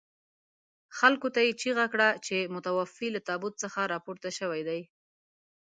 خلکو ته یې چيغه کړه چې متوفي له تابوت څخه راپورته شوي دي.